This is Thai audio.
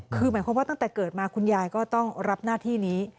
คือหมายความว่าตั้งแต่เกิดมาคุณยายก็ต้องรับหน้าที่นี้